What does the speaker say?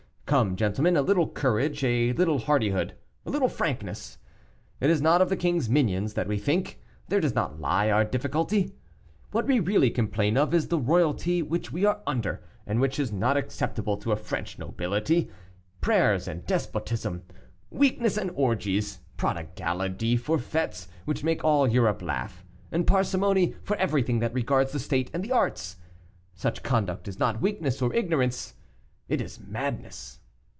Come, gentlemen, a little courage, a little hardihood, a little frankness. It is not of the king's minions that we think; there does not lie our difficulty. What we really complain of is the royalty which we are under, and which is not acceptable to a French nobility; prayers and despotism, weakness and orgies, prodigality for fêtes which make all Europe laugh, and parsimony for everything that regards the state and the arts. Such conduct is not weakness or ignorance it is madness."